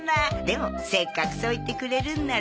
でもせっかくそう言ってくれるんならね。